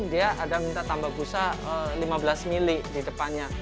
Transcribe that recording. dia ada minta tambah busa lima belas mili di depannya